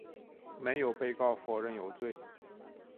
没有被告否认有罪。